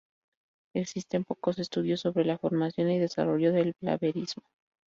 Existen pocos estudios sobre la formación y desarrollo del blaverismo.